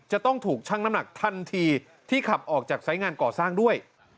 จะต้องถูกชั่งน้ำหนักทันทีที่ขับออกจากสายงานก่อสร้างด้วย